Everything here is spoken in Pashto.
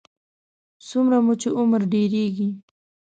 څومره مو چې عمر ډېرېږي.